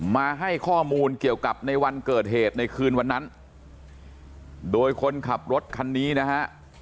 มาให้ข้อมูลเกี่ยวกับในวันเกิดเหตุในคืนวันนั้นโดยคนขับรถคันนี้นะฮะ